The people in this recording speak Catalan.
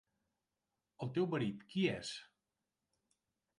El teu marit, qui és?